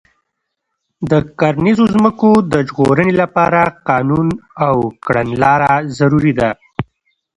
د کرنیزو ځمکو د ژغورنې لپاره قانون او کړنلاره ضروري ده.